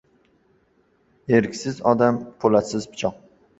• Erksiz odam — po‘latsiz pichoq.